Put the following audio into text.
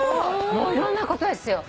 いろんなことですよ。